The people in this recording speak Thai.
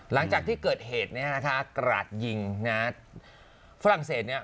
หลังจากที่เกิดเหตุเนี่ยนะคะกราดยิงนะฮะฝรั่งเศสเนี่ย